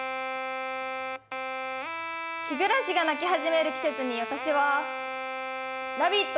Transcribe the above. ヒグラシが鳴き始める季節に私は「ラヴィット！」